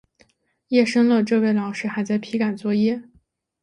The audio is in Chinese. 夜深了，这位老师还在批改作业